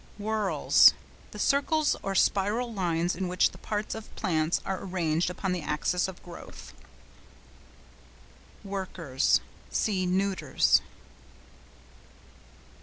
WHORLS.—The circles or spiral lines in which the parts of plants are arranged upon the axis of growth. WORKERS.—See neuters.